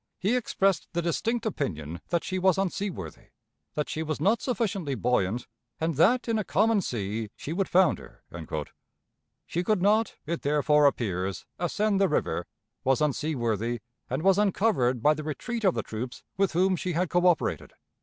He expressed the distinct opinion that she was unseaworthy, that she was not sufficiently buoyant, and that in a common sea she would founder." She could not, it therefore appears, ascend the river, was unseaworthy, and was uncovered by the retreat of the troops with whom she had coöperated.